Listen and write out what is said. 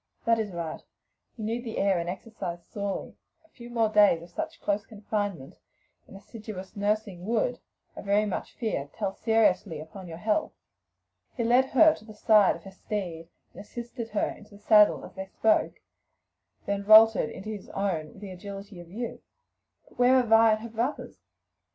"That is right; you need the air and exercise sorely; a few more days of such close confinement and assiduous nursing would, I very much fear, tell seriously upon your health." He led her to the side of her steed and assisted her into the saddle as he spoke, then vaulted into his own with the agility of youth. "But where are Vi and her brothers?"